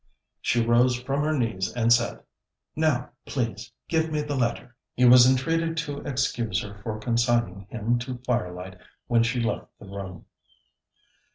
She rose from her knees and said: 'Now, please, give me the letter.' He was entreated to excuse her for consigning him to firelight when she left the room.